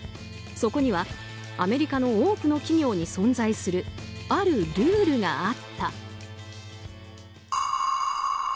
そこにはアメリカの多くの企業に存在するあるルールがあった。